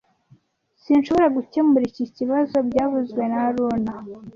Sinshobora gukemura iki kibazo byavuzwe na haruna